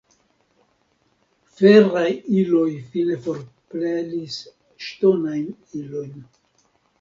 Feraj iloj fine forpelis ŝtonajn ilojn.